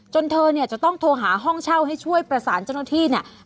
เธอเนี่ยจะต้องโทรหาห้องเช่าให้ช่วยประสานเจ้าหน้าที่เนี่ย